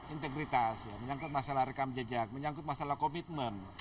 integritas menyangkut masalah rekam jejak menyangkut masalah komitmen